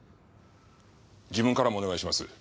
自分からもお願いします。